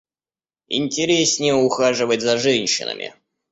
Интереснее ухаживать за женщинами.